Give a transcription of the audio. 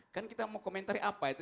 kan kita mau komentari apa itu